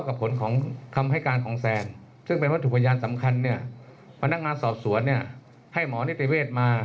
การเหวี่ยงใบพัด